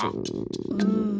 うん。